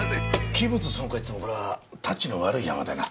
器物損壊って言ってもこれは質の悪いヤマでな。